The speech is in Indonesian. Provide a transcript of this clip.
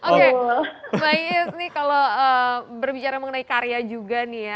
oke mbak yes nih kalau berbicara mengenai karya juga nih ya